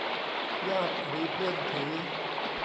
ญาติหรือเพื่อนถือ